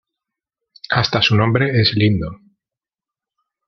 Hasta su nombre es lindo.